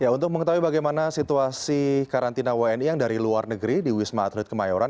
untuk mengetahui bagaimana situasi karantina wni yang dari luar negeri di wisma atlet kemayoran